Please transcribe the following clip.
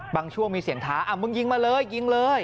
ช่วงมีเสียงท้ามึงยิงมาเลยยิงเลย